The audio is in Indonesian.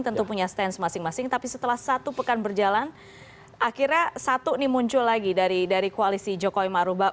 tentu punya stance masing masing tapi setelah satu pekan berjalan akhirnya satu ini muncul lagi dari koalisi jokowi marubah